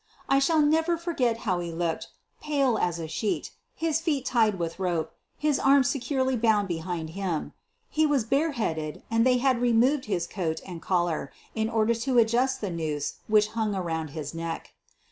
I shall never forget how he looked — pale as a sheet, his feet tied with rope, his arms securely bound behind him. He was bareheaded and they had removed his coat and collar in order to adjust the noose which hung around his neck.